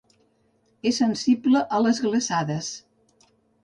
És sensible a les glaçades.